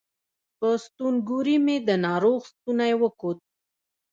په ستونګوري مې د ناروغ ستونی وکوت